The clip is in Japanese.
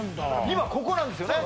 今ここなんですよね